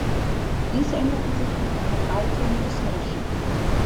Dies änderte sich mit der Verbreitung des Menschen.